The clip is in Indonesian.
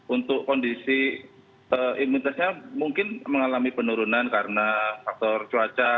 untuk kondisi imunitasnya mungkin mengalami penurunan karena faktor cuaca